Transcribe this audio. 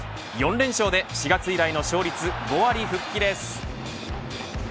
４連勝で４月以来の勝率５割復帰です。